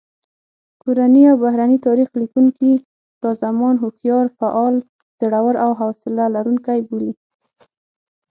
کورني او بهرني تاریخ لیکونکي شاه زمان هوښیار، فعال، زړور او حوصله لرونکی بولي.